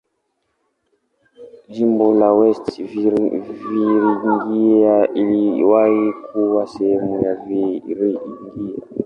Jimbo la West Virginia iliwahi kuwa sehemu ya Virginia.